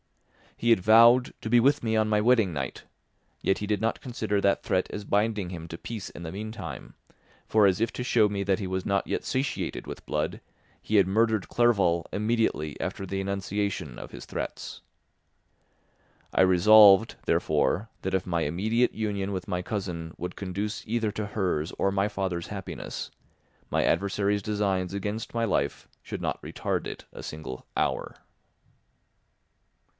He had vowed to be with me on my wedding night, yet he did not consider that threat as binding him to peace in the meantime, for as if to show me that he was not yet satiated with blood, he had murdered Clerval immediately after the enunciation of his threats. I resolved, therefore, that if my immediate union with my cousin would conduce either to hers or my father's happiness, my adversary's designs against my life should not retard it a single hour.